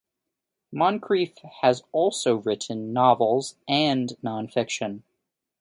Moncrieff has also written novels and non-fiction.